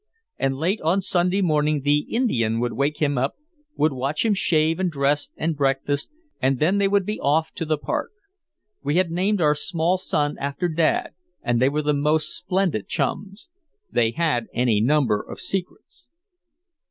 And late on Sunday morning the "Indian" would wake him up, would watch him shave and dress and breakfast, and then they would be off to the Park. We had named our small son after Dad and they were the most splendid chums. They had any number of secrets.